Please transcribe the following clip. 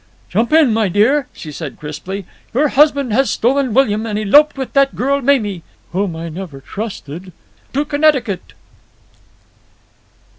"Jump in, my dear," she said crisply. "Your husband has stolen William and eloped with that girl Mamie (whom I never trusted) to Connecticut."